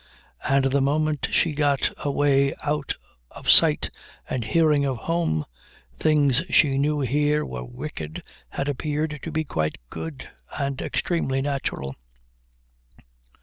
And the moment she got away out of sight and hearing of home, things she knew here were wicked had appeared to be quite good and extremely natural.